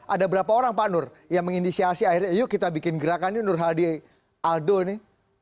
ada berapa orang pak nur yang menginisiasi akhirnya yuk kita bikin gerakan yuk nur hadi aldo ini